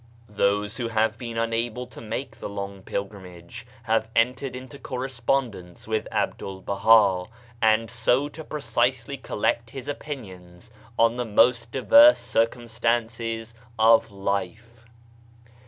Those who have been unable to make the long pilgrimage have entered into correspondence with 'Abdu'1 Baha, and so to precisely collect his opinions on the most diverse circumstances of life.